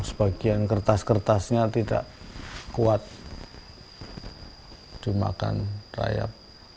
sebagian kertas kertasnya tidak kuat dimakan rayap